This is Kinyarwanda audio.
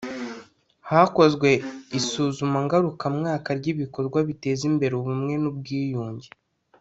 Hakozwe isuzuma ngarukamwaka ry’ibikorwa biteza imbere ubumwe n’ubwiyunge